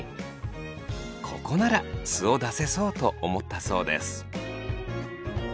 ここなら素を出せそうと思ったそうです。